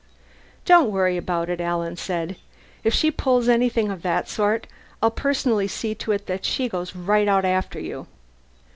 "Don't worry about it," Alan said. "If she pulls anything of the sort I'll personally see to it that she goes out right after you."